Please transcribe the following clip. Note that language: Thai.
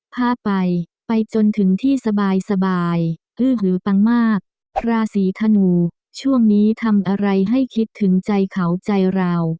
พาไปไปจนถึงที่สบายสบายอื้อหือปังมากราศีธนูช่วงนี้ทำอะไรให้คิดถึงใจเขาใจเรา